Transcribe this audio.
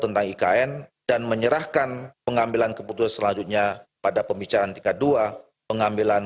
tentang ikn dan menyerahkan pengambilan keputusan selanjutnya pada pembicaraan tingkat dua pengambilan